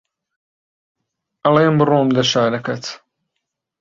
ئەڵێم بڕۆم لە شارەکەت